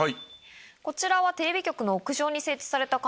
こちらはテレビ局の屋上に設置されたカメラです。